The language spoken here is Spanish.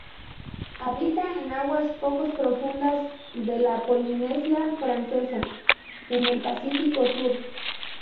Habita en aguas pocos profundas de la Polinesia Francesa, en el Pacifico Sur.